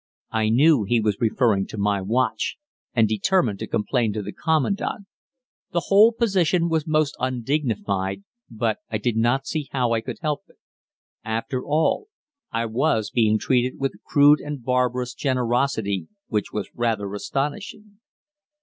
I knew he was referring to my watch, and determined to complain to the commandant. The whole position was most undignified, but I did not see how I could help it. After all, I was being treated with a crude and barbarous generosity which was rather astonishing.